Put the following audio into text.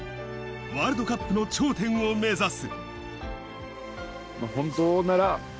ワールドカップの頂点を目指す。